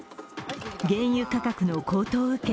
原油価格の高騰を受け